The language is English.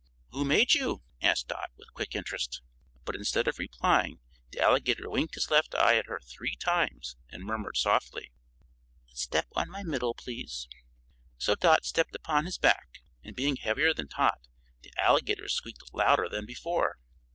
"Who made you?" asked Dot, with quick interest. But instead of replying, the Alligator winked his left eye at her three times and murmured softly, "Step on my middle, please!" So Dot stepped upon his back, and being heavier than Tot, the Alligator squeaked louder than before.